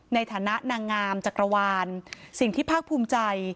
ในฐานะนางงามจักรวาลสิ่งที่ภาคภูมิใจ